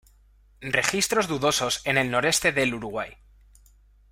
Registros dudosos en el noreste del Uruguay.